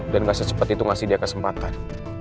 dan gak secepet itu ngasih dia kesempatan